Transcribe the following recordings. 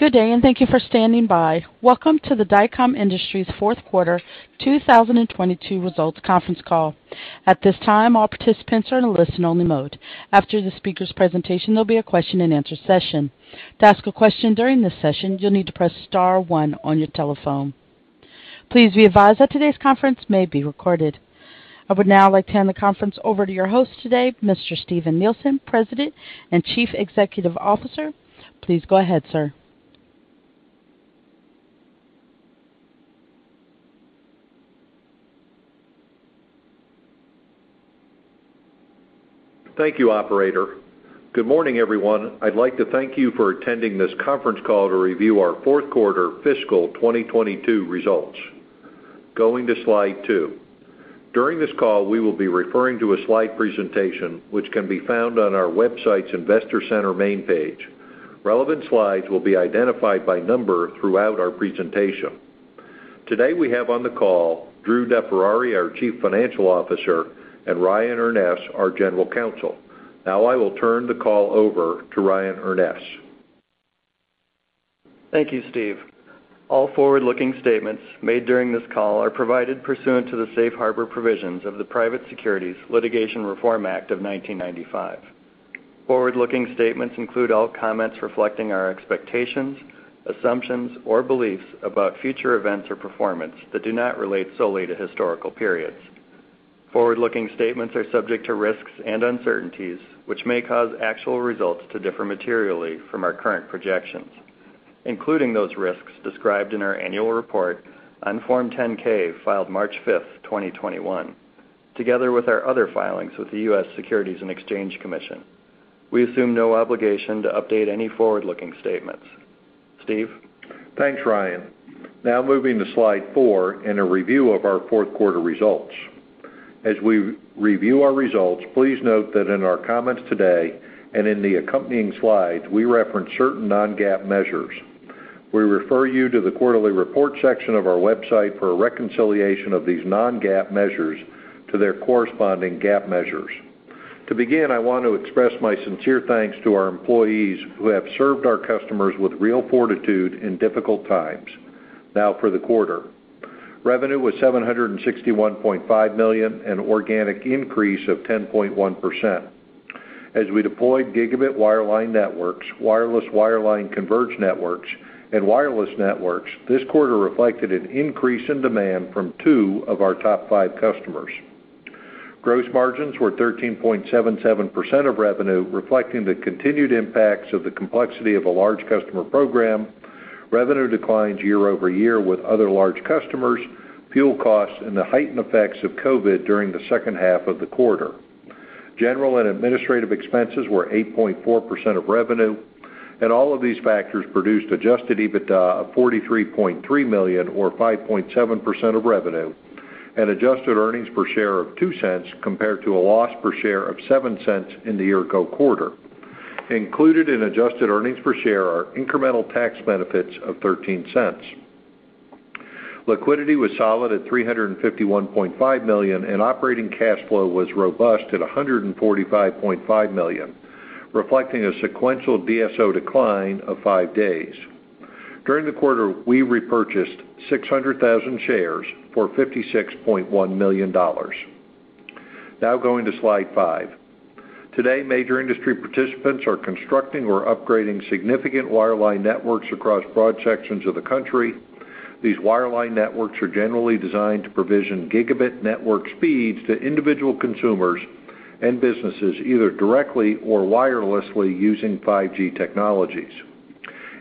Good day, and thank you for standing by. Welcome to the Dycom Industries Q4 2022 Results Conference Call. At this time, all participants are in a listen-only mode. After the speaker's presentation, there'll be a question-and-answer session. To ask a question during this session, you'll need to press star one on your telephone. Please be advised that today's conference may be recorded. I would now like to hand the conference over to your host today, Mr. Steven Nielsen, President and Chief Executive Officer. Please go ahead, sir. Thank you, operator. Good morning, everyone. I'd like to thank you for attending this conference call to review our fourth quarterQ4 fiscal 2022 results. Going to slide two. During this call, we will be referring to a slide presentation which can be found on our website's investor center main page. Relevant slides will be identified by number throughout our presentation. Today, we have on the call Drew DeFerrari, our Chief Financial Officer, and Ryan Urness, our General Counsel. Now, I will turn the call over to Ryan Urness. Thank you, Steven. All forward-looking statements made during this call are provided pursuant to the safe harbor provisions of the Private Securities Litigation Reform Act of 1995. Forward-looking statements include all comments reflecting our expectations, assumptions, or beliefs about future events or performance that do not relate solely to historical periods. Forward-looking statements are subject to risks and uncertainties, which may cause actual results to differ materially from our current projections, including those risks described in our annual report on Form 10-K filed March 5th, 2021, together with our other filings with the US Securities and Exchange Commission. We assume no obligation to update any forward-looking statements. Steve. Thanks, Ryan. Now moving to slide four in a review of our Q4 results. As we review our results, please note that in our comments today and in the accompanying slides, we reference certain non-GAAP measures. We refer you to the quarterly report section of our website for a reconciliation of these non-GAAP measures to their corresponding GAAP measures. To begin, I want to express my sincere thanks to our employees who have served our customers with real fortitude in difficult times. Now for the quarter. Revenue was $761.5 million, an organic increase of 10.1%. As we deployed gigabit wireline networks, wireless wireline converged networks, and wireless networks, this quarter reflected an increase in demand from two of our top five customers. Gross margins were 13.77% of revenue, reflecting the continued impacts of the complexity of a large customer program, revenue declines year-over-year with other large customers, fuel costs, and the heightened effects of COVID during the second half of the quarter. General and administrative expenses were 8.4% of revenue, and all of these factors produced adjusted EBITDA of $43.3 million or 5.7% of revenue, and adjusted earnings per share of $0.02 compared to a loss per share of $0.07 in the year-ago quarter. Included in adjusted earnings per share are incremental tax benefits of $0.13. Liquidity was solid at $351.5 million, and operating cash flow was robust at $145.5 million, reflecting a sequential DSO decline of five days. During the quarter, we repurchased 600,000 shares for $56.1 million. Now going to slide five. Today, major industry participants are constructing or upgrading significant wireline networks across broad sections of the country. These wireline networks are generally designed to provision gigabit network speeds to individual consumers and businesses, either directly or wirelessly using 5G technologies.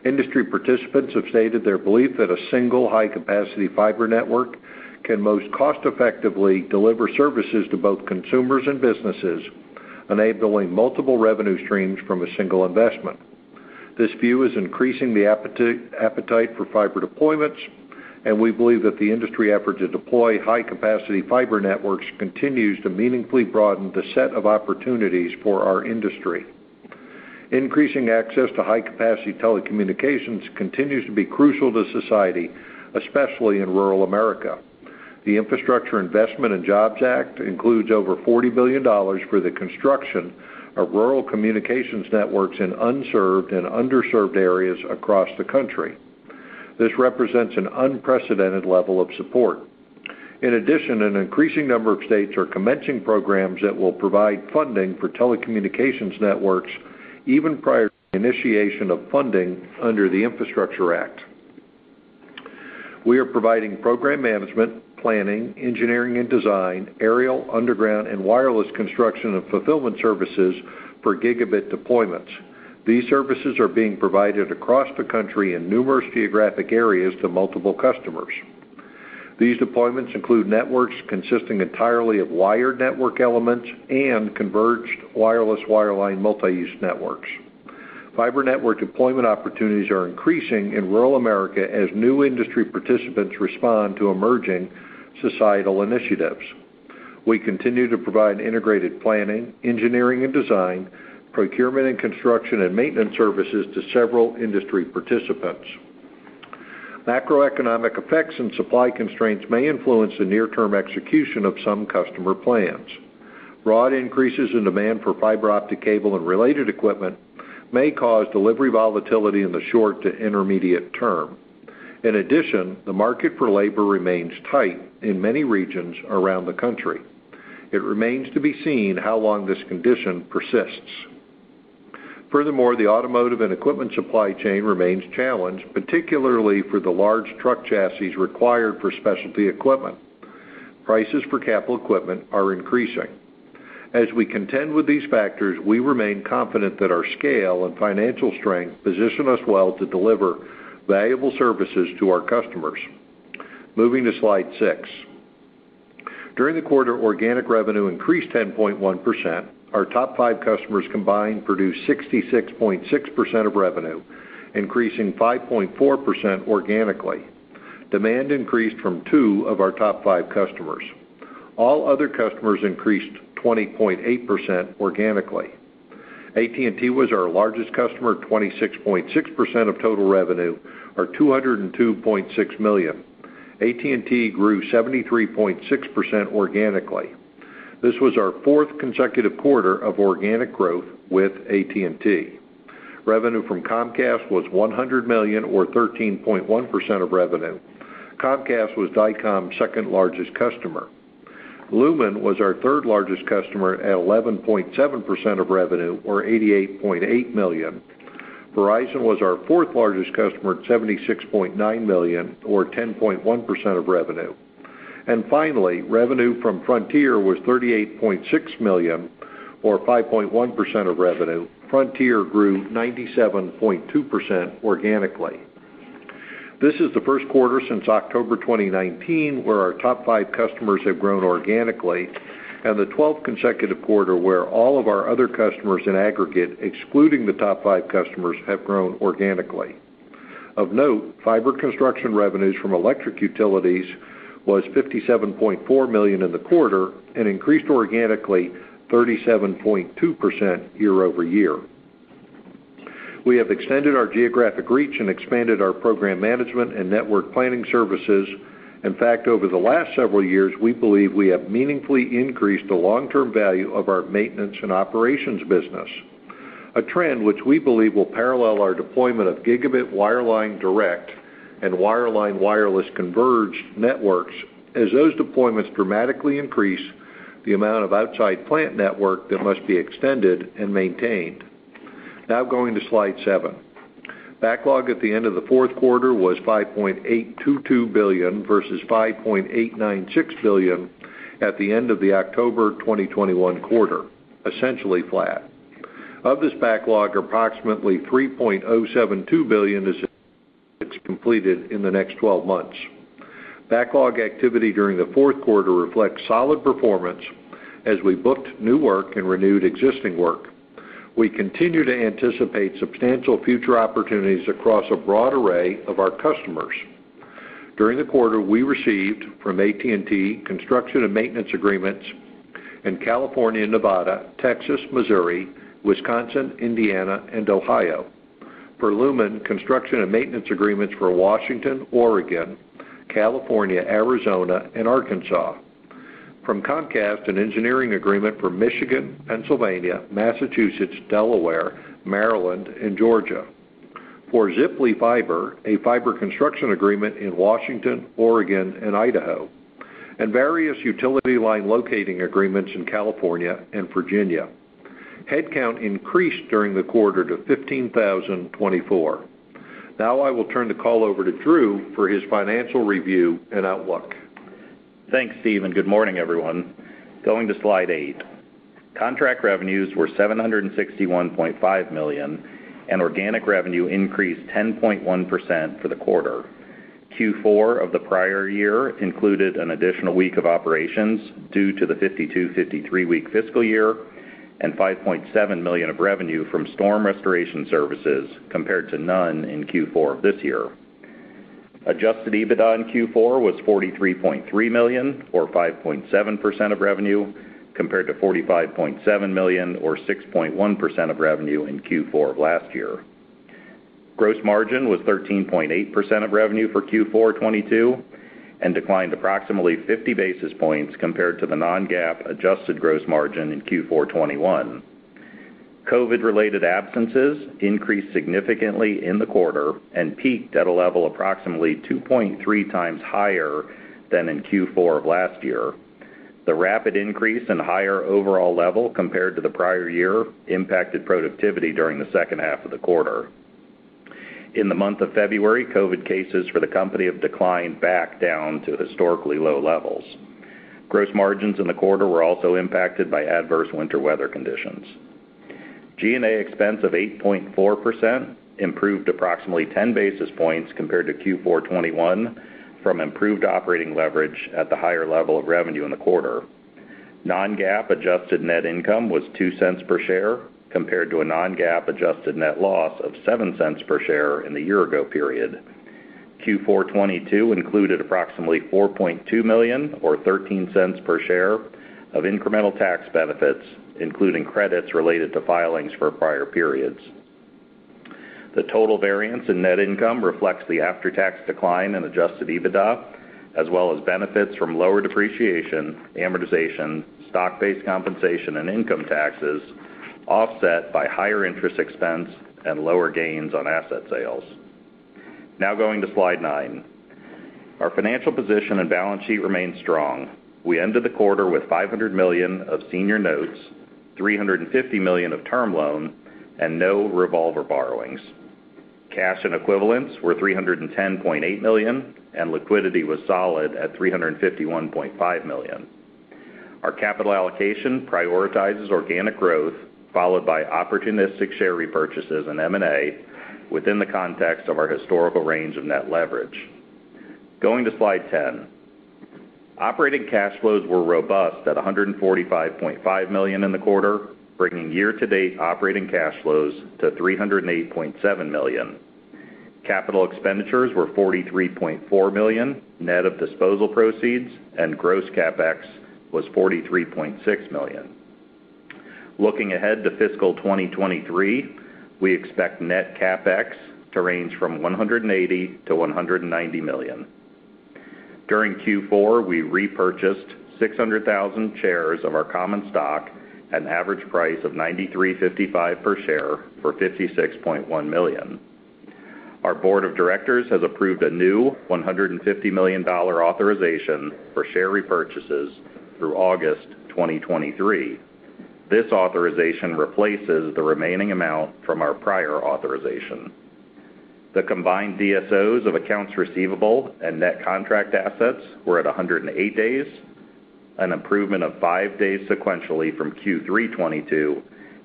Industry participants have stated their belief that a single high-capacity fiber network can most cost effectively deliver services to both consumers and businesses, enabling multiple revenue streams from a single investment. This view is increasing the appetite for fiber deployments, and we believe that the industry effort to deploy high-capacity fiber networks continues to meaningfully broaden the set of opportunities for our industry. Increasing access to high-capacity telecommunications continues to be crucial to society, especially in rural America. The Infrastructure Investment and Jobs Act includes over $40 billion for the construction of rural communications networks in unserved and underserved areas across the country. This represents an unprecedented level of support. In addition, an increasing number of states are commencing programs that will provide funding for telecommunications networks even prior to the initiation of funding under the Infrastructure Act. We are providing program management, planning, engineering and design, aerial, underground, and wireless construction and fulfillment services for gigabit deployments. These services are being provided across the country in numerous geographic areas to multiple customers. These deployments include networks consisting entirely of wired network elements and converged wireless wireline multi-use networks. Fiber network deployment opportunities are increasing in rural America as new industry participants respond to emerging societal initiatives. We continue to provide integrated planning, engineering and design, procurement and construction, and maintenance services to several industry participants. Macroeconomic effects and supply constraints may influence the near-term execution of some customer plans. Broad increases in demand for fiber optic cable and related equipment may cause delivery volatility in the short to intermediate term. In addition, the market for labor remains tight in many regions around the country. It remains to be seen how long this condition persists. Furthermore, the automotive and equipment supply chain remains challenged, particularly for the large truck chassis required for specialty equipment. Prices for capital equipment are increasing. As we contend with these factors, we remain confident that our scale and financial strength position us well to deliver valuable services to our customers. Moving to slide six. During the quarter, organic revenue increased 10.1%. Our top five customers combined produced 66.6% of revenue, increasing 5.4% organically. Demand increased from two of our top five customers. All other customers increased 20.8% organically. AT&T was our largest customer at 26.6% of total revenue, or $202.6 million. AT&T grew 73.6% organically. This was our fourth consecutive quarter of organic growth with AT&T. Revenue from Comcast was $100 million or 13.1% of revenue. Comcast was Dycom's second-largest customer. Lumen was our third-largest customer at 11.7% of revenue or $88.8 million. Verizon was our fourth-largest customer at $76.9 million or 10.1% of revenue. Finally, revenue from Frontier was $38.6 million or 5.1% of revenue. Frontier grew 97.2% organically. This is the Q1 since October 2019 where our top five customers have grown organically, and the 12th consecutive quarter where all of our other customers in aggregate, excluding the top five customers, have grown organically. Of note, fiber construction revenues from electric utilities was $57.4 million in the quarter and increased organically 37.2% year-over-year. We have extended our geographic reach and expanded our program management and network planning services. In fact, over the last several years, we believe we have meaningfully increased the long-term value of our maintenance and operations business, a trend which we believe will parallel our deployment of gigabit wireline direct and wireline wireless converged networks as those deployments dramatically increase the amount of outside plant network that must be extended and maintained. Now going to slide seven. Backlog at the end of the Q4 was $5.822 billion versus $5.896 billion at the end of the October 2021 quarter, essentially flat. Of this backlog, approximately $3.072 billion is completed in the next 12 months. Backlog activity during the Q4 reflects solid performance as we booked new work and renewed existing work. We continue to anticipate substantial future opportunities across a broad array of our customers. During the quarter, we received from AT&T construction and maintenance agreements in California, Nevada, Texas, Missouri, Wisconsin, Indiana, and Ohio. For Lumen, construction and maintenance agreements for Washington, Oregon, California, Arizona, and Arkansas. From Comcast, an engineering agreement for Michigan, Pennsylvania, Massachusetts, Delaware, Maryland, and Georgia. For Ziply Fiber, a fiber construction agreement in Washington, Oregon, and Idaho, and various utility line locating agreements in California and Virginia. Headcount increased during the quarter to 15,024. Now I will turn the call over to Drew DeFerrari for his financial review and outlook. Thanks, Steve, and good morning, everyone. Going to slide eight. Contract revenues were $761.5 million, and organic revenue increased 10.1% for the quarter. Q4 of the prior year included an additional week of operations due to the 52-, 53-week fiscal year and $5.7 million of revenue from storm restoration services compared to none in Q4 of this year. Adjusted EBITDA in Q4 was $43.3 million or 5.7% of revenue, compared to $45.7 million or 6.1% of revenue in Q4 of last year. Gross margin was 13.8% of revenue for Q4 2022 and declined approximately 50 basis points compared to the non-GAAP adjusted gross margin in Q4 2021. COVID-related absences increased significantly in the quarter and peaked at a level approximately 2.3x higher than in Q4 of last year. The rapid increase in higher overall level compared to the prior year impacted productivity during the second half of the quarter. In the month of February, COVID cases for the company have declined back down to historically low levels. Gross margins in the quarter were also impacted by adverse winter weather conditions. G&A expense of 8.4% improved approximately 10 basis points compared to Q4 2021 from improved operating leverage at the higher level of revenue in the quarter. Non-GAAP adjusted net income was $0.02 per share, compared to a non-GAAP adjusted net loss of $0.07 per share in the year ago period. Q4 2022 included approximately $4.2 million or $0.13 per share of incremental tax benefits, including credits related to filings for prior periods. The total variance in net income reflects the after-tax decline in adjusted EBITDA, as well as benefits from lower depreciation, amortization, stock-based compensation and income taxes, offset by higher interest expense and lower gains on asset sales. Now going to slide nine. Our financial position and balance sheet remain strong. We ended the quarter with $500 million of senior notes, $350 million of term loan, and no revolver borrowings. Cash and equivalents were $310.8 million, and liquidity was solid at $351.5 million. Our capital allocation prioritizes organic growth, followed by opportunistic share repurchases and M&A within the context of our historical range of net leverage. Going to slide 10. Operating cash flows were robust at $145.5 million in the quarter, bringing year-to-date operating cash flows to $308.7 million. Capital expenditures were $43.4 million, net of disposal proceeds, and gross CapEx was $43.6 million. Looking ahead to fiscal 2023, we expect net CapEx to range from $180 million-$190 million. During Q4, we repurchased 600,000 shares of our common stock at an average price of $93.55 per share for $56.1 million. Our board of directors has approved a new $150 million authorization for share repurchases through August 2023. This authorization replaces the remaining amount from our prior authorization. The combined DSOs of accounts receivable and net contract assets were at 108 days, an improvement of five days sequentially from Q3 2022,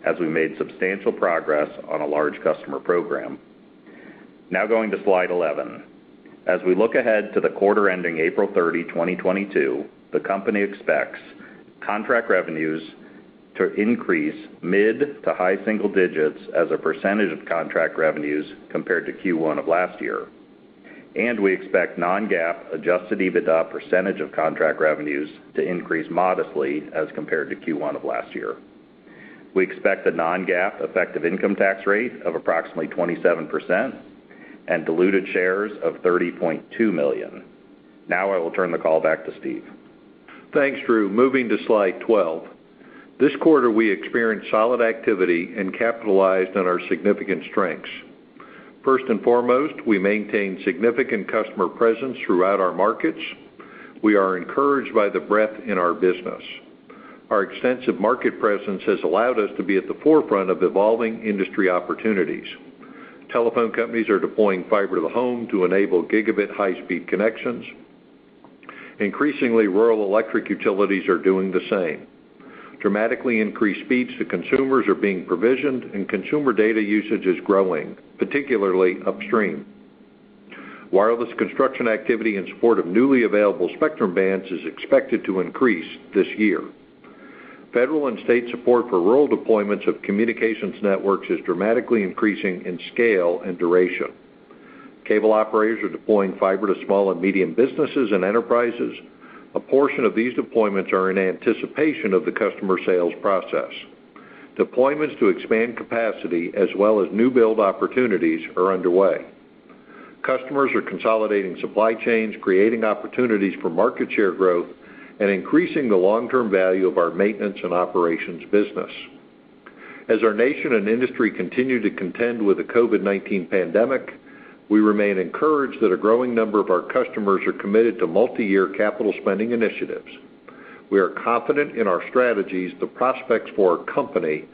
as we made substantial progress on a large customer program. Now going to slide 11. As we look ahead to the quarter ending April 30, 2022, the company expects contract revenues to increase mid- to high-single digits as a percentage of contract revenues compared to Q1 of last year. We expect non-GAAP adjusted EBITDA percentage of contract revenues to increase modestly as compared to Q1 of last year. We expect a non-GAAP effective income tax rate of approximately 27% and diluted shares of 30.2 million. Now I will turn the call back to Steve. Thanks, Drew. Moving to slide 12. This quarter, we experienced solid activity and capitalized on our significant strengths. 1st and foremost, we maintained significant customer presence throughout our markets. We are encouraged by the breadth in our business. Our extensive market presence has allowed us to be at the forefront of evolving industry opportunities. Telephone companies are deploying fiber to the home to enable gigabit high-speed connections. Increasingly, rural electric utilities are doing the same. Dramatically increased speeds to consumers are being provisioned and consumer data usage is growing, particularly upstream. Wireless construction activity in support of newly available spectrum bands is expected to increase this year. Federal and state support for rural deployments of communications networks is dramatically increasing in scale and duration. Cable operators are deploying fiber to small and medium businesses and enterprises. A portion of these deployments are in anticipation of the customer sales process. Deployments to expand capacity as well as new build opportunities are underway. Customers are consolidating supply chains, creating opportunities for market share growth, and increasing the long-term value of our maintenance and operations business. As our nation and industry continue to contend with the COVID-19 pandemic, we remain encouraged that a growing number of our customers are committed to multiyear capital spending initiatives. We are confident in our strategies, the prospects for our company,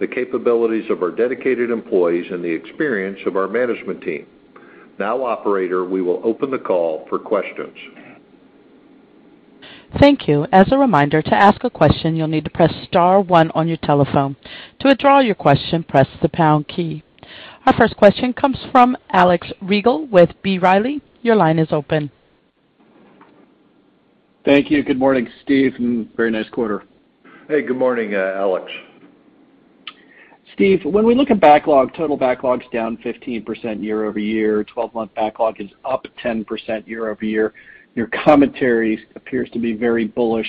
the capabilities of our dedicated employees, and the experience of our management team. Now, operator, we will open the call for questions. Thank you. Our first question comes from Alex Rygiel with B. Riley. Your line is open. Thank you. Good morning, Steve, and very nice quarter. Hey, good morning, Alex. Steve, when we look at backlog, total backlog's down 15% year-over-year. Twelve-month backlog is up 10% year-over-year. Your commentary appears to be very bullish.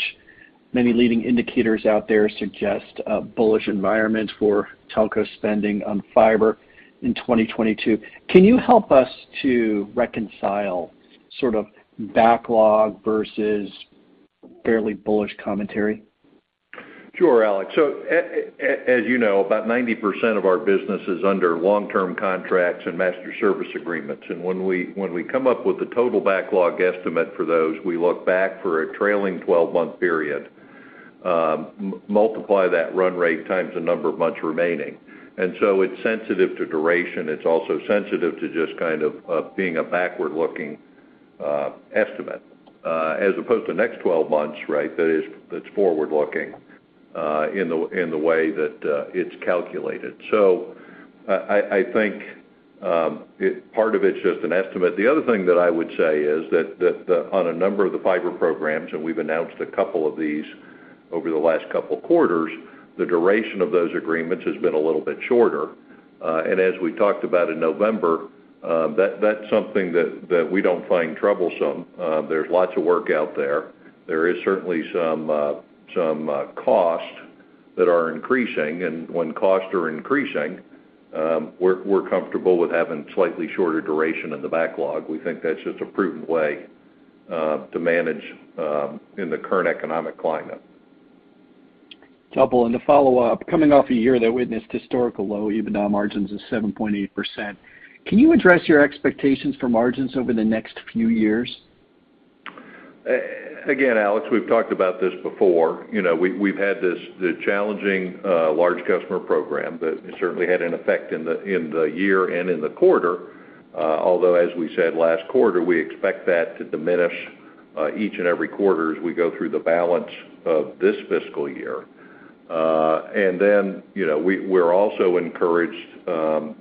Many leading indicators out there suggest a bullish environment for telco spending on fiber in 2022. Can you help us to reconcile sort of backlog versus fairly bullish commentary? Sure, Alex. As you know, about 90% of our business is under long-term contracts and master service agreements. When we come up with a total backlog estimate for those, we look back for a trailing 12-month period, multiply that run rate times the number of months remaining. It's sensitive to duration. It's also sensitive to just kind of being a backward-looking estimate as opposed to next 12 months, right? That is, that's forward-looking in the way that it's calculated. I think part of it's just an estimate. The other thing that I would say is that the on a number of the fiber programs, and we've announced a couple of these over the last couple quarters, the duration of those agreements has been a little bit shorter. As we talked about in November, that's something that we don't find troublesome. There's lots of work out there. There is certainly some costs that are increasing, and when costs are increasing, we're comfortable with having slightly shorter duration in the backlog. We think that's just a prudent way to manage in the current economic climate. Double, to follow up, coming off a year that witnessed historically low EBITDA margins of 7.8%, can you address your expectations for margins over the next few years? Again, Alex, we've talked about this before. You know, we've had this, the challenging large customer program that certainly had an effect in the year and in the quarter. Although, as we said last quarter, we expect that to diminish each and every quarter as we go through the balance of this fiscal year. You know, we're also encouraged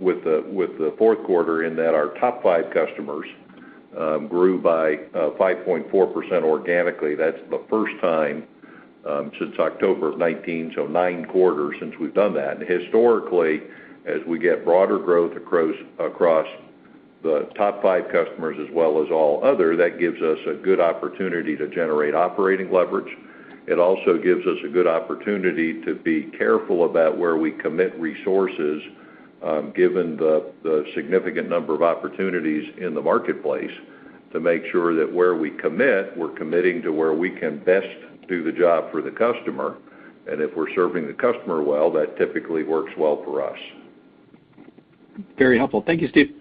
with the Q4 in that our top five customers grew by 5.4% organically. That's the first time since October of 2019, so Q9 since we've done that. Historically, as we get broader growth across the top five customers as well as all other, that gives us a good opportunity to generate operating leverage. It also gives us a good opportunity to be careful about where we commit resources, given the significant number of opportunities in the marketplace to make sure that where we commit, we're committing to where we can best do the job for the customer. If we're serving the customer well, that typically works well for us. Very helpful. Thank you, Steve.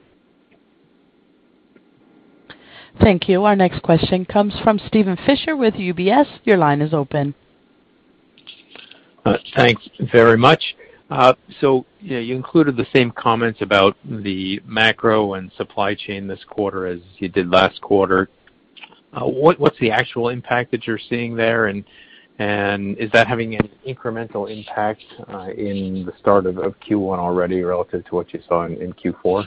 Thank you. Our next question comes from Steven Fisher with UBS. Your line is open. Thanks very much. So, you know, you included the same comments about the macro and supply chain this quarter as you did last quarter. What's the actual impact that you're seeing there? Is that having an incremental impact in the start of Q1 already relative to what you saw in Q4?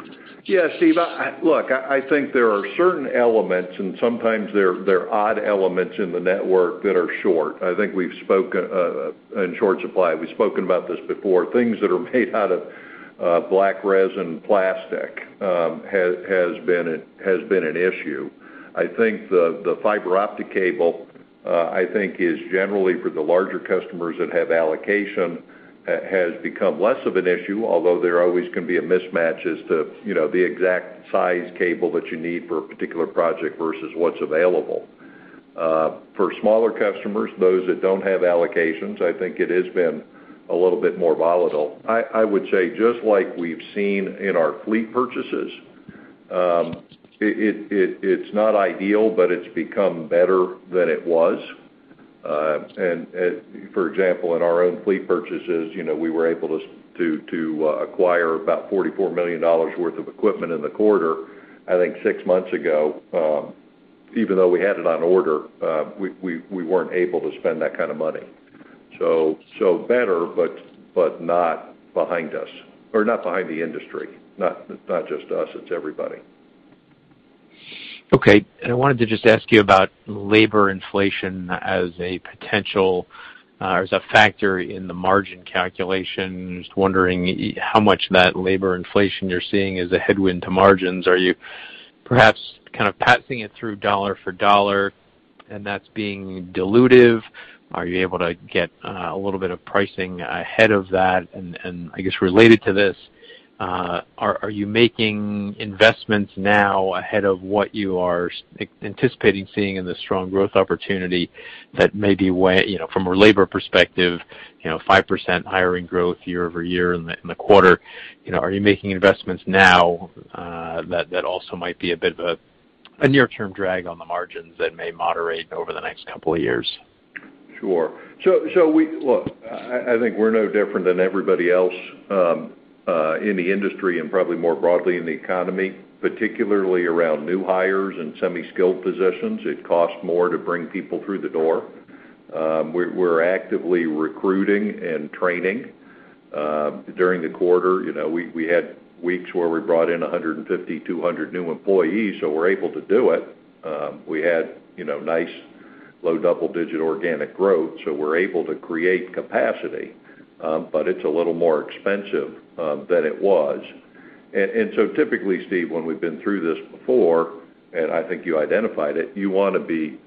Yeah, Steve. Look, I think there are certain elements, and sometimes they're odd elements in the network that are short. I think we've spoke in short supply. We've spoken about this before. Things that are made out of black resin plastic has been an issue. I think the fiber optic cable I think is generally for the larger customers that have allocation has become less of an issue, although there always can be a mismatch as to, you know, the exact size cable that you need for a particular project versus what's available. For smaller customers, those that don't have allocations, I think it has been a little bit more volatile. I would say, just like we've seen in our fleet purchases, it's not ideal, but it's become better than it was. For example, in our own fleet purchases, you know, we were able to to acquire about $44 million worth of equipment in the quarter. I think six months ago, even though we had it on order, we weren't able to spend that kind of money. Better, but not behind us, or not behind the industry. Not just us, it's everybody. Okay. I wanted to just ask you about labor inflation as a potential factor in the margin calculations. Just wondering how much that labor inflation you're seeing is a headwind to margins? Are you perhaps kind of passing it through dollar for dollar, and that's being dilutive? Are you able to get a little bit of pricing ahead of that? I guess related to this, are you making investments now ahead of what you are anticipating seeing in the strong growth opportunity that may weigh, you know, from a labor perspective, you know, 5% higher in growth year-over-year in the quarter. You know, are you making investments now that also might be a bit of a near-term drag on the margins that may moderate over the next couple of years? Sure. I think we're no different than everybody else in the industry and probably more broadly in the economy, particularly around new hires and semi-skilled positions. It costs more to bring people through the door. We're actively recruiting and training. During the quarter, you know, we had weeks where we brought in 150, 200 new employees, so we're able to do it. We had, you know, nice low double-digit organic growth, so we're able to create capacity. It's a little more expensive than it was. Typically, Steve, when we've been through this before, and I think you identified it, you wanna be,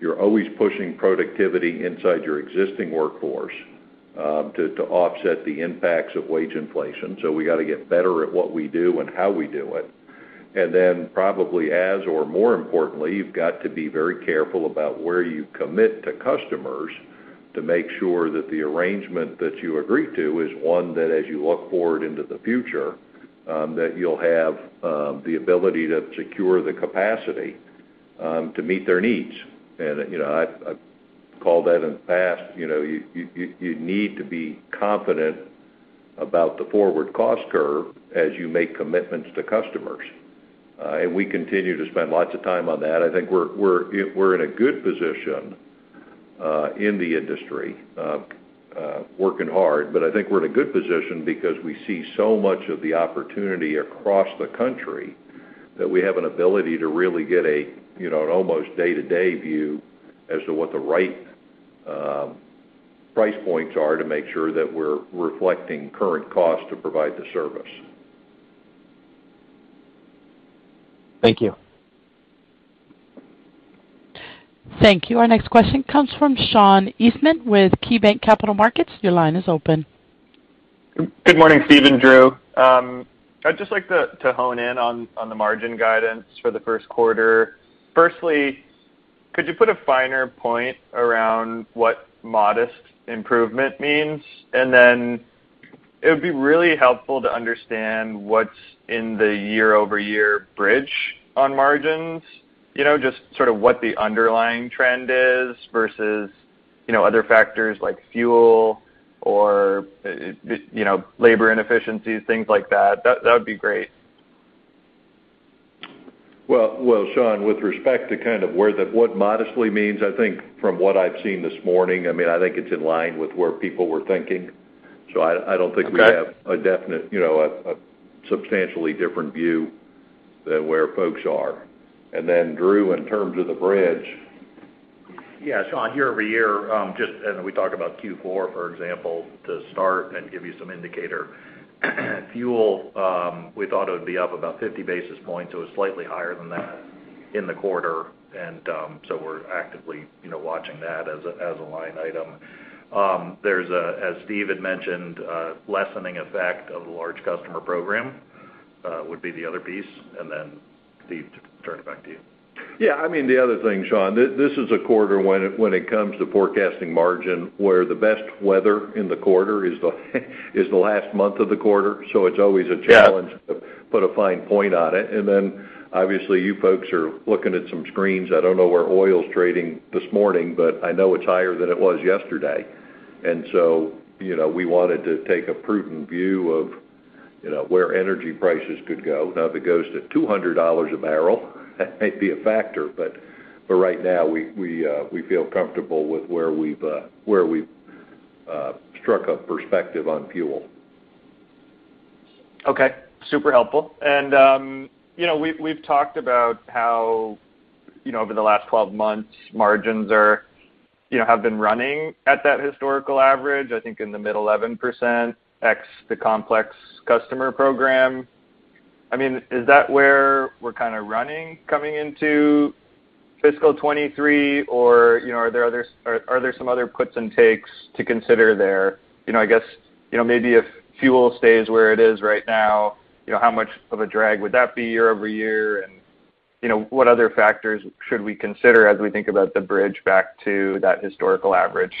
you're always pushing productivity inside your existing workforce, to offset the impacts of wage inflation. We got a get better at what we do and how we do it. Then probably as or more importantly, you've got to be very careful about where you commit to customers to make sure that the arrangement that you agree to is one that as you look forward into the future, that you'll have the ability to secure the capacity to meet their needs. You know, I've called that in the past. You know, you need to be confident about the forward cost curve as you make commitments to customers. We continue to spend lots of time on that. I think we're in a good position in the industry working hard, but I think we're in a good position because we see so much of the opportunity across the country that we have an ability to really get a, you know, an almost day-to-day view as to what the right price points are to make sure that we're reflecting current costs to provide the service. Thank you. Thank you. Our next question comes from Sean Eastman with KeyBanc Capital Markets. Your line is open. Good morning, Steven and Drew. I'd just like to hone in on the margin guidance for the Q1. Firstly, could you put a finer point around what modest improvement means? Then it would be really helpful to understand what's in the year-over-year bridge on margins, you know, just sort of what the underlying trend is versus, you know, other factors like fuel or labor inefficiencies, things like that. That would be great. Well, Sean, with respect to kind of what modestly means, I think from what I've seen this morning, I mean, I think it's in line with where people were thinking. I don't think- Okay we have a definite, you know, a substantially different view than where folks are. Drew, in terms of the bridge. Yeah, Sean, year-over-year, and we talked about Q4, for example, to start and give you some indicator. Fuel, we thought it would be up about 50 basis points. It was slightly higher than that in the quarter. So we're actively, you know, watching that as a line item. There's a lessening effect of the large customer program, as Steven had mentioned, would be the other piece. Then Steven, turn it back to you. Yeah, I mean, the other thing, Sean, this is a quarter when it comes to forecasting margin, where the best weather in the quarter is the last month of the quarter. So it's always a challenge. Yeah To put a fine point on it. Then obviously, you folks are looking at some screens. I don't know where oil's trading this morning, but I know it's higher than it was yesterday. You know, we wanted to take a prudent view of, you know, where energy prices could go. Now, if it goes to $200 a barrel, that might be a factor. But right now, we feel comfortable with where we've struck a perspective on fuel. Okay. Super helpful. You know, we've talked about how, you know, over the last 12 months, margins are, you know, have been running at that historical average, I think in the mid-11%, ex the complex customer program. I mean, is that where we're kind a running coming into fiscal 2023? You know, are there some other puts and takes to consider there? You know, I guess, you know, maybe if fuel stays where it is right now, you know, how much of a drag would that be year-over-year? You know, what other factors should we consider as we think about the bridge back to that historical average?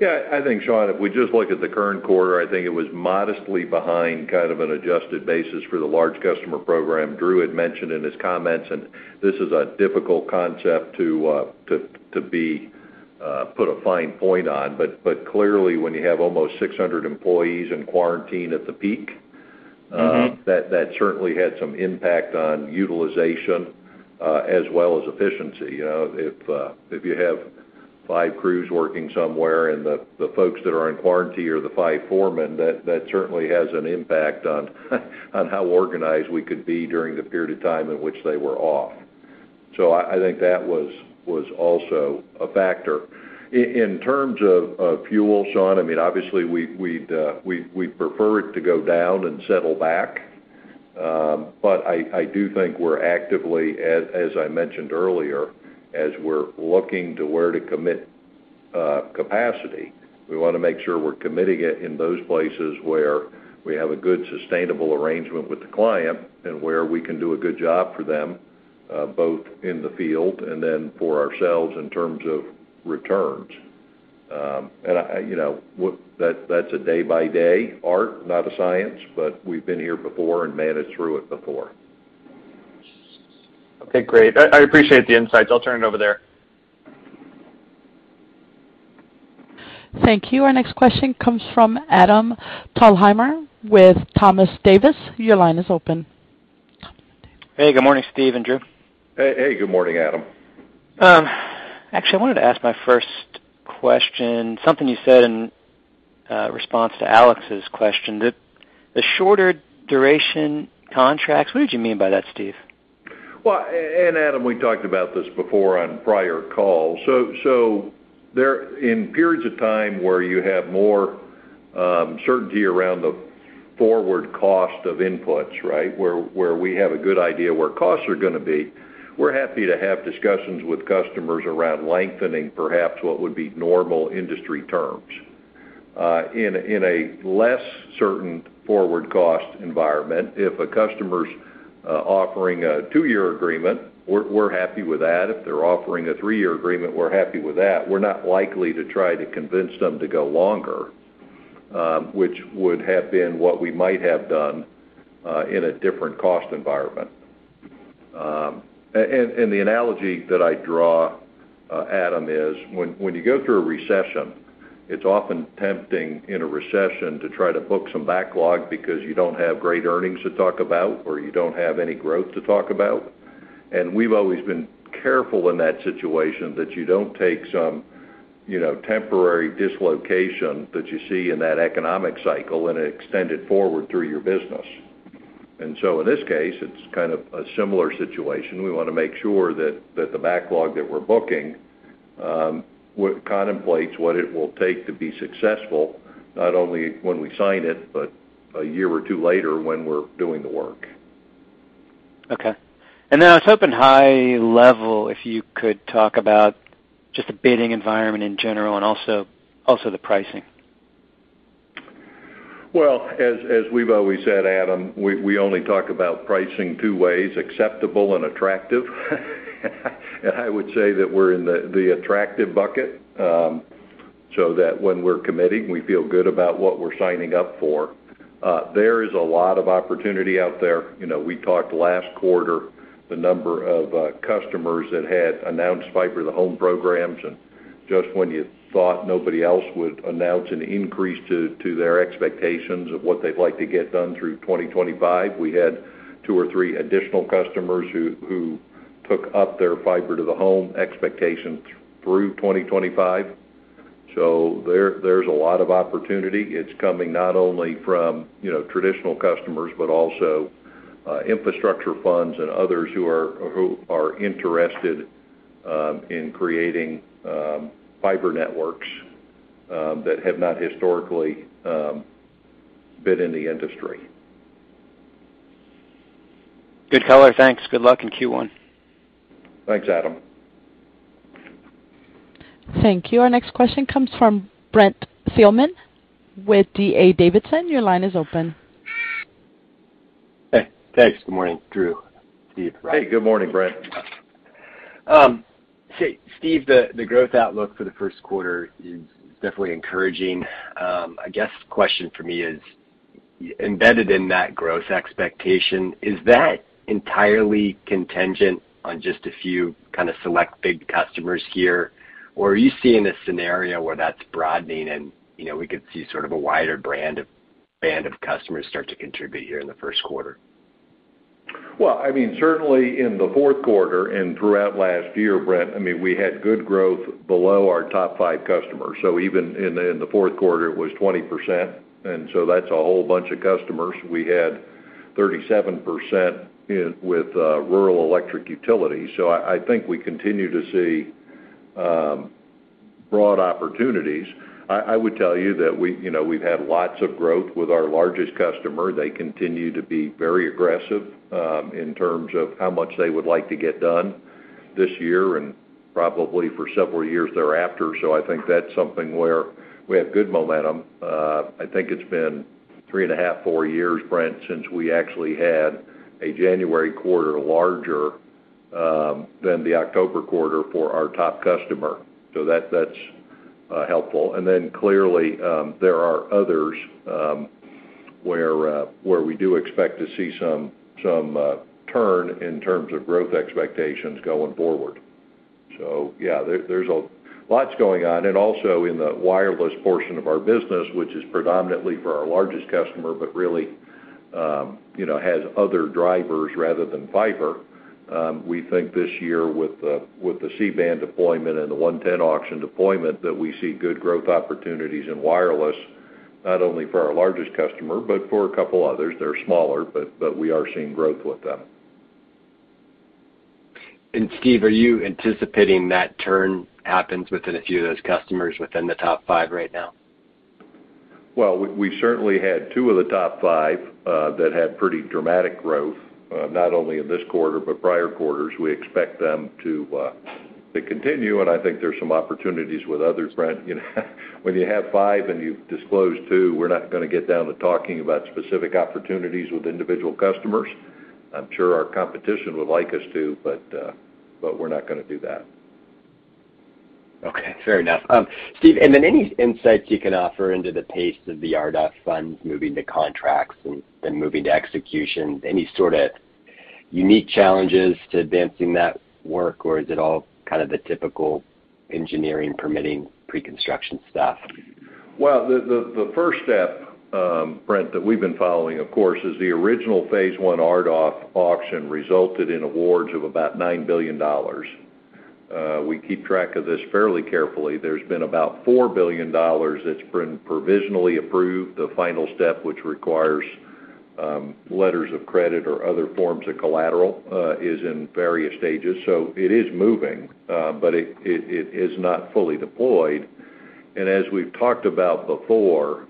Yeah, I think, Sean, if we just look at the current quarter, I think it was modestly behind kind of an adjusted basis for the large customer program Drew had mentioned in his comments, and this is a difficult concept to put a fine point on. But clearly, when you have almost 600 employees in quarantine at the peak- Mm-hmm That certainly had some impact on utilization, as well as efficiency. You know, if you have five crews working somewhere and the folks that are in quarantine are the five foremen, that certainly has an impact on how organized we could be during the period of time in which they were off. I think that was also a factor. In terms of fuel, Sean, I mean, obviously, we'd prefer it to go down and settle back. I do think we're actively, as I mentioned earlier, as we're looking to where to commit capacity, we wanna make sure we're committing it in those places where we have a good sustainable arrangement with the client and where we can do a good job for them both in the field and then for ourselves in terms of returns. You know, that's a day by day art, not a science, but we've been here before and managed through it before. Okay, great. I appreciate the insights. I'll turn it over there. Thank you. Our next question comes from Adam Thalhimer with Thompson Davis & Co. Your line is open. Hey, good morning, Steve and Drew. Hey, hey, good morning, Adam. Actually, I wanted to ask my 1st question, something you said in response to Alex's question. The shorter duration contracts, what did you mean by that, Steve? Well, Adam, we talked about this before on prior calls. In periods of time where you have more certainty around the forward cost of inputs, right? Where we have a good idea where costs are gonna be, we're happy to have discussions with customers around lengthening perhaps what would be normal industry terms. In a less certain forward cost environment, if a customer's offering a two-year agreement, we're happy with that. If they're offering a three-year agreement, we're happy with that. We're not likely to try to convince them to go longer, which would have been what we might have done in a different cost environment. The analogy that I draw, Adam, is when you go through a recession, it's often tempting in a recession to try to book some backlog because you don't have great earnings to talk about, or you don't have any growth to talk about. We've always been careful in that situation that you don't take some, you know, temporary dislocation that you see in that economic cycle and extend it forward through your business. In this case, it's kind of a similar situation. We wanna make sure that the backlog that we're booking what contemplates what it will take to be successful, not only when we sign it, but a year or two later when we're doing the work. Okay. I was hoping high level, if you could talk about just the bidding environment in general and also the pricing. Well, as we've always said, Adam, we only talk about pricing two ways, acceptable and attractive. I would say that we're in the attractive bucket, so that when we're committing, we feel good about what we're signing up for. There is a lot of opportunity out there. You know, we talked last quarter, the number of customers that had announced fiber to the home programs. Just when you thought nobody else would announce an increase to their expectations of what they'd like to get done through 2025, we had two or three additional customers who took up their fiber to the home expectations through 2025. There's a lot of opportunity. It's coming not only from, you know, traditional customers, but also, infrastructure funds and others who are interested in creating fiber networks that have not historically been in the industry. Good color. Thanks. Good luck in Q1. Thanks, Adam. Thank you. Our next question comes from Brent Thielman with D.A. Davidson. Your line is open. Hey, thanks. Good morning, Drew, Steve. Hey, good morning, Brent. Steven, the growth outlook for the Q1is definitely encouraging. I guess the question for me is, embedded in that growth expectation, is that entirely contingent on just a few kind of select big customers here? Or are you seeing a scenario where that's broadening and, you know, we could see sort of a wider band of customers start to contribute here in the Q1? Well, I mean, certainly in the Q4 and throughout last year, Brent, I mean, we had good growth below our top five customers. Even in the Q4, it was 20%. That's a whole bunch of customers. We had 37% in with rural electric utilities. I think we continue to see broad opportunities. I would tell you that we, you know, we've had lots of growth with our largest customer. They continue to be very aggressive in terms of how much they would like to get done this year and probably for several years thereafter. I think that's something where we have good momentum. I think it's been three and a half, four years, Brent, since we actually had a January quarter larger than the October quarter for our top customer. That's helpful. Clearly, there are others where we do expect to see some turn in terms of growth expectations going forward. Yeah, there's a lot going on. Also in the wireless portion of our business, which is predominantly for our largest customer, but really, you know, has other drivers rather than fiber. We think this year with the C-band deployment and the Auction 110 deployment, that we see good growth opportunities in wireless, not only for our largest customer, but for a couple others. They're smaller, but we are seeing growth with them. Steve, are you anticipating that turn happens within a few of those customers within the top five right now? Well, we certainly had two of the top five that had pretty dramatic growth, not only in this quarter, but prior quarters. We expect them to continue, and I think there's some opportunities with others, Brent. You know, when you have five and you've disclosed two, we're not gonna get down to talking about specific opportunities with individual customers. I'm sure our competition would like us to, but we're not gonna do that. Okay, fair enough. Steve, and then any insights you can offer into the pace of the RDOF funds moving to contracts and then moving to execution? Any sort of unique challenges to advancing that work, or is it all kind of the typical engineering permitting preconstruction stuff? Well, the 1st step, Brent, that we've been following, of course, is the original phase one RDOF auction resulted in awards of about $9 billion. We keep track of this fairly carefully. There's been about $4 billion that's been provisionally approved. The final step, which requires letters of credit or other forms of collateral, is in various stages. It is moving, but it is not fully deployed. As we've talked about before,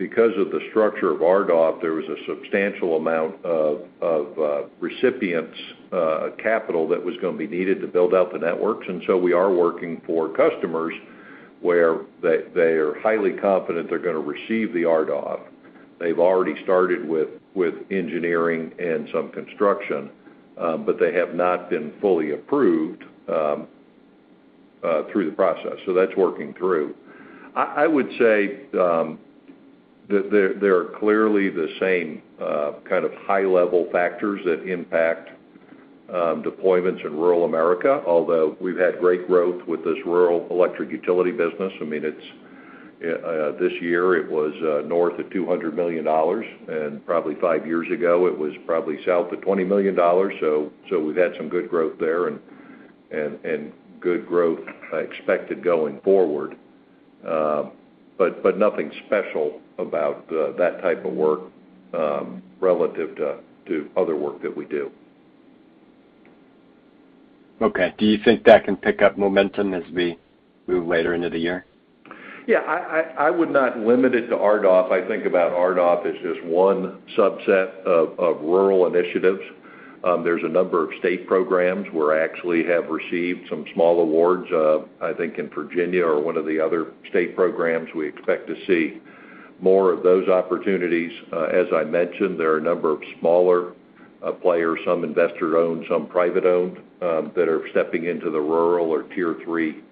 because of the structure of RDOF, there was a substantial amount of recipients' capital that was gonna be needed to build out the networks. We are working for customers where they are highly confident they're gonna receive the RDOF. They've already started with engineering and some construction, but they have not been fully approved through the process. That's working through. I would say that there are clearly the same kind of high-level factors that impact deployments in rural America, although we've had great growth with this rural electric utility business. I mean, it's this year, it was north of $200 million, and probably five years ago, it was probably south of $20 million. We've had some good growth there and good growth expected going forward. Nothing special about that type of work relative to other work that we do. Okay. Do you think that can pick up momentum as we move later into the year? Yeah, I would not limit it to RDOF. I think about RDOF as just one subset of rural initiatives. There's a number of state programs where we actually have received some small awards. I think in Virginia or one of the other state programs, we expect to see more of those opportunities. As I mentioned, there are a number of smaller players, some investor-owned, some privately owned, that are stepping into the rural or Tier III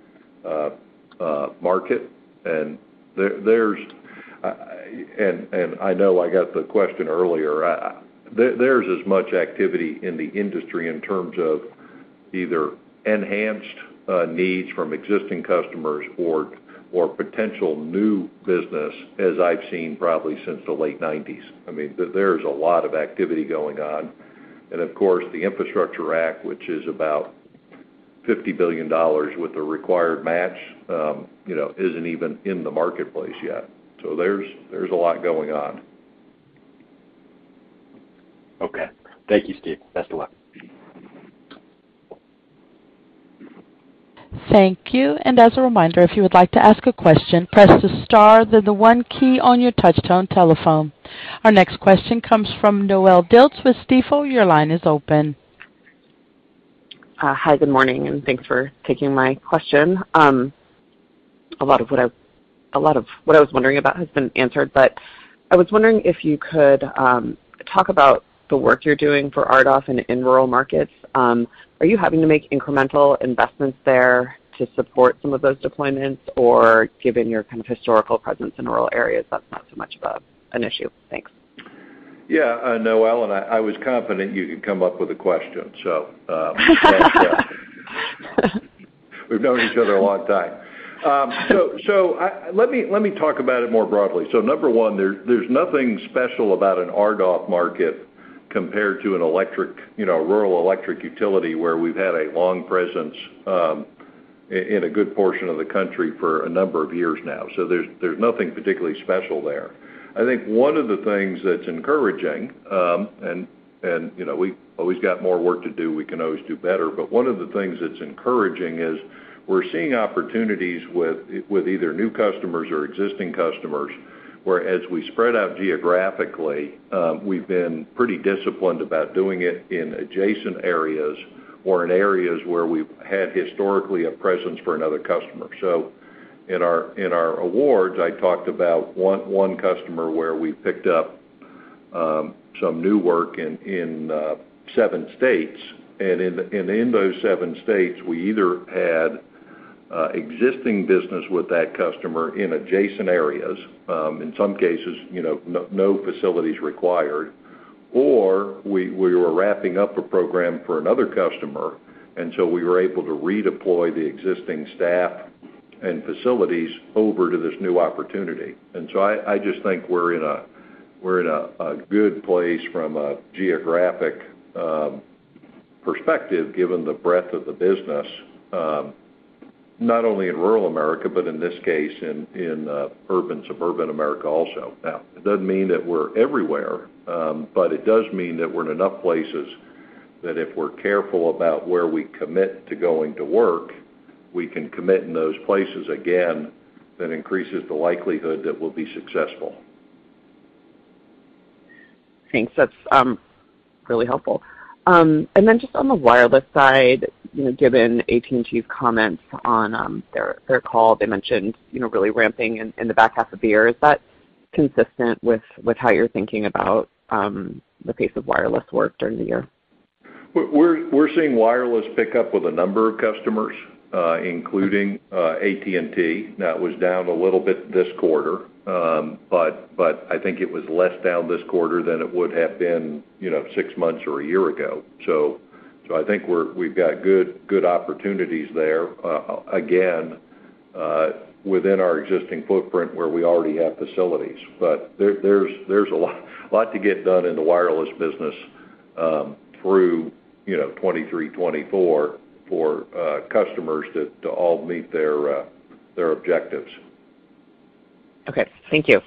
market. I know I got the question earlier. There's as much activity in the industry in terms of either enhanced needs from existing customers or potential new business as I've seen probably since the late 90s. I mean, there's a lot of activity going on. Of course, the Infrastructure Act, which is about $50 billion with the required match, you know, isn't even in the marketplace yet. There's a lot going on. Okay. Thank you, Steve. Best of luck. Thank you. Our next question comes from Noelle Dilts with Stifel. Your line is open. Hi, good morning, and thanks for taking my question. A lot of what I was wondering about has been answered, but I was wondering if you could talk about the work you're doing for RDOF and in rural markets. Are you having to make incremental investments there to support some of those deployments? Or given your kind of historical presence in rural areas, that's not so much of an issue? Thanks. Yeah, Noelle, and I was confident you could come up with a question. We've known each other a long time. Let me talk about it more broadly. Number one, there's nothing special about an RDOF market compared to an electric, you know, rural electric utility where we've had a long presence in a good portion of the country for a number of years now. There's nothing particularly special there. I think one of the things that's encouraging, and, you know, we've always got more work to do, we can always do better. One of the things that's encouraging is we're seeing opportunities with either new customers or existing customers, whereas we spread out geographically, we've been pretty disciplined about doing it in adjacent areas or in areas where we've had historically a presence for another customer. In our awards, I talked about one customer where we picked up some new work in seven states. In those seven states, we either had existing business with that customer in adjacent areas, in some cases, you know, no facilities required, or we were wrapping up a program for another customer, and so we were able to redeploy the existing staff and facilities over to this new opportunity. I just think we're in a good place from a geographic perspective, given the breadth of the business, not only in rural America, but in this case in urban suburban America also. Now, it doesn't mean that we're everywhere, but it does mean that we're in enough places that if we're careful about where we commit to going to work, we can commit in those places again. That increases the likelihood that we'll be successful. Thanks. That's really helpful. Just on the wireless side, you know, given AT&T's comments on their call, they mentioned, you know, really ramping in the back half of the year. Is that consistent with how you're thinking about the pace of wireless work during the year? We're seeing wireless pick up with a number of customers, including AT&T. That was down a little bit this quarter. I think it was less down this quarter than it would have been, you know, six months or a year ago. So I think we've got good opportunities there, again, within our existing footprint where we already have facilities. There's a lot to get done in the wireless business, through, you know, 2023, 2024 for customers to all meet their objectives. Okay. Thank you.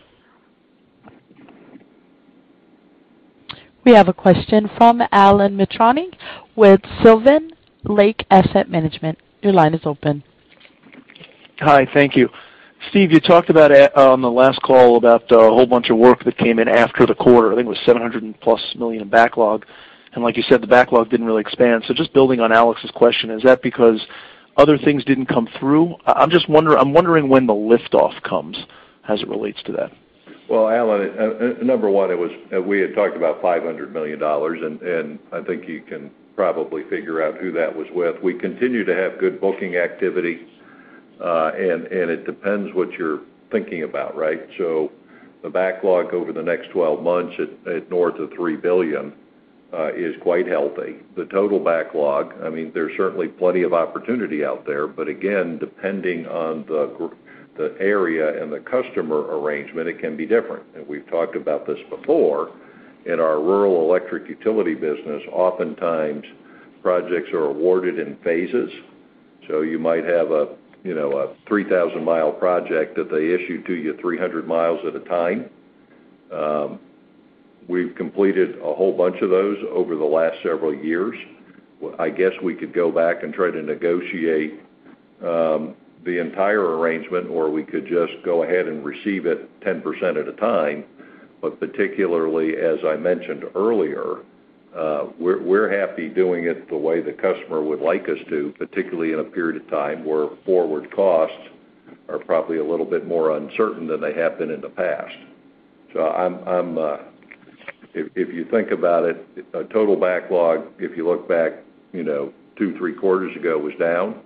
We have a question from Alan Mitrani with Sylvan Lake Asset Management. Your line is open. Hi. Thank you. Steve, you talked about on the last call about a whole bunch of work that came in after the quarter. I think it was $700+ million in backlog. Like you said, the backlog didn't really expand. Just building on Alex's question, is that because other things didn't come through? I'm wondering when the lift off comes as it relates to that. Well, Alan, number one, we had talked about $500 million, and I think you can probably figure out who that was with. We continue to have good booking activity, and it depends what you're thinking about, right? The backlog over the next 12 months at north of $3 billion is quite healthy. The total backlog, I mean, there's certainly plenty of opportunity out there, but again, depending on the area and the customer arrangement, it can be different. We've talked about this before. In our rural electric utility business, oftentimes projects are awarded in phases. You might have a, you know, a 3,000-mile project that they issue to you 300 miles at a time. We've completed a whole bunch of those over the last several years. I guess we could go back and try to negotiate the entire arrangement, or we could just go ahead and receive it 10% at a time. Particularly, as I mentioned earlier, we're happy doing it the way the customer would like us to, particularly in a period of time where forward costs are probably a little bit more uncertain than they have been in the past. If you think about it, a total backlog, if you look back, you know, Q2, Q3 ago, was down,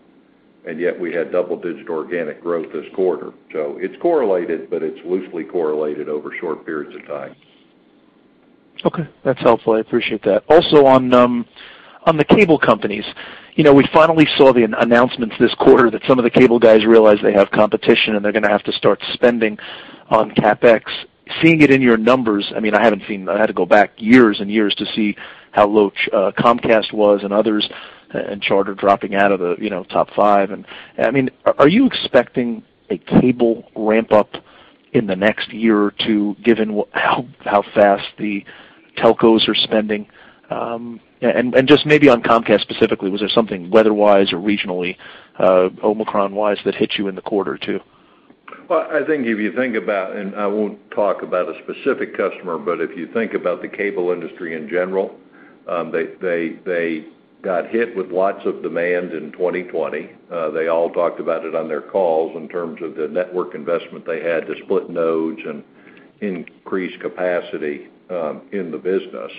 and yet we had double-digit organic growth this quarter. It's correlated, but it's loosely correlated over short periods of time. Okay, that's helpful. I appreciate that. Also on the cable companies. You know, we finally saw the announcements this quarter that some of the cable guys realized they have competition, and they're gonna have to start spending on CapEx. Seeing it in your numbers, I mean, I had to go back years and years to see how low Comcast was and others, and Charter dropping out of the top five. You know, I mean, are you expecting a cable ramp up in the next year or two, given how fast the telcos are spending? Just maybe on Comcast specifically, was there something weather-wise or regionally, Omicron-wise that hit you in the quarter too? Well, I think if you think about, and I won't talk about a specific customer, but if you think about the cable industry in general, they got hit with lots of demand in 2020. They all talked about it on their calls in terms of the network investment they had to split nodes and increase capacity in the business.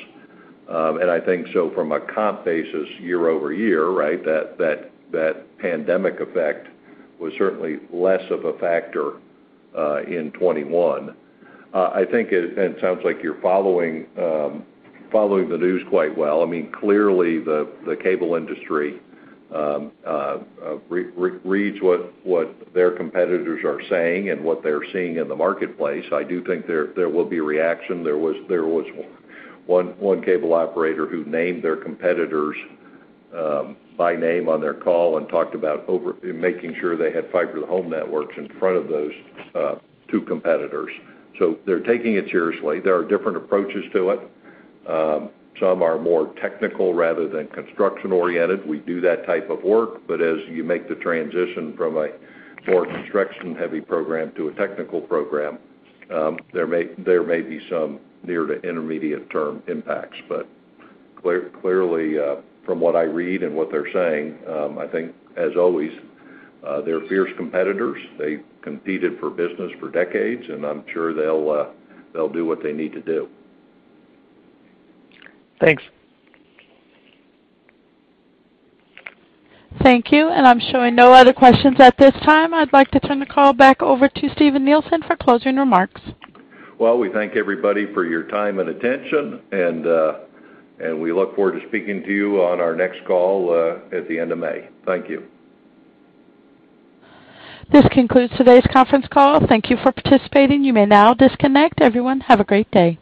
I think so from a comp basis, year-over-year, right? That pandemic effect was certainly less of a factor in 2021. I think it and it sounds like you're following the news quite well. I mean, clearly the cable industry reads what their competitors are saying and what they're seeing in the marketplace. I do think there will be reaction. There was one cable operator who named their competitors by name on their call and talked about making sure they had fiber to home networks in front of those two competitors. They're taking it seriously. There are different approaches to it. Some are more technical rather than construction-oriented. We do that type of work, but as you make the transition from a more construction-heavy program to a technical program, there may be some near to intermediate term impacts. Clearly, from what I read and what they're saying, I think as always, they're fierce competitors. They competed for business for decades, and I'm sure they'll do what they need to do. Thanks. Thank you. I'm showing no other questions at this time. I'd like to turn the call back over to Steven Nielsen for closing remarks. Well, we thank everybody for your time and attention, and we look forward to speaking to you on our next call at the end of May. Thank you. This concludes today's conference call. Thank you for participating. You may now disconnect. Everyone, have a great day.